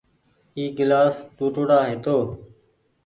اي گلآس ٽوُٽڙآ هيتو۔